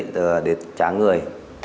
để trả người